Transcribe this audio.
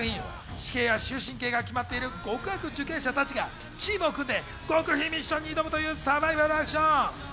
死刑や終身刑が決まっている極悪受刑者たちがチームを組んで極秘ミッションに挑むというサバイバルアクション。